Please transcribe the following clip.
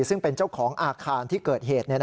ซึ่งเป็นเจ้าของอาคารที่เกิดเหตุ